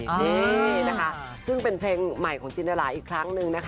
นี่นะคะซึ่งเป็นเพลงใหม่ของจินดาราอีกครั้งนึงนะคะ